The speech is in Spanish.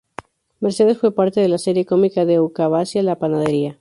Mercedes fue parte de la serie cómica de Ecuavisa, "La Panadería".